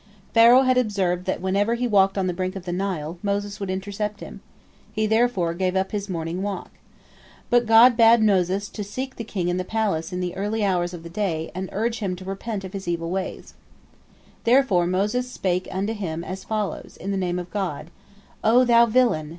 Pharaoh had observed that whenever he walked on the brink of the Nile, Moses would intercept him. He therefore gave up his morning walk. But God bade Moses seek the king in his palace in the early hours of the day and urge him to repent of his evil ways. Therefore Moses spake to him as follows, in the name of God: "O thou villain!